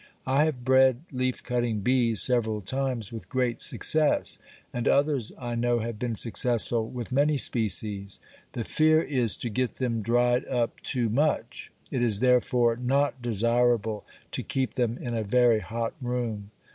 I have bred leaf cutting bees several times with great success, and others I know have been successful with many species. The fear is to get them dried up too much; it is therefore not desirable to keep them in a very hot room.